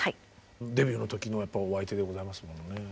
デビューの時のお相手でございますものね。